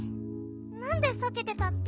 なんでさけてたッピ？